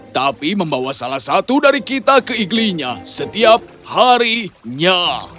tapi membawa salah satu dari kita ke iggly nya setiap hari nya